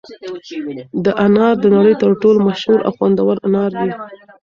دا انار د نړۍ تر ټولو مشهور او خوندور انار دي.